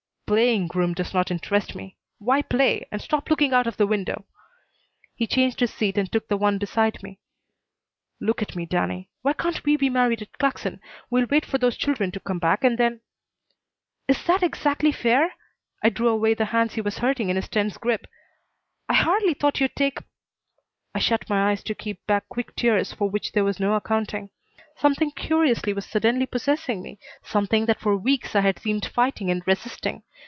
"Playing groom does not interest me. Why play? And stop looking out of the window." He changed his seat and took the one beside me. "Look at me, Danny. Why can't we be married at Claxon? We'll wait for those children to come back and then " "Is that exactly fair?" I drew away the hands he was hurting in his tense grip. "I hardly thought you'd take " I shut my eyes to keep back quick tears for which there was no accounting. Something curious was suddenly possessing me, something that for weeks I had seemed fighting and resisting.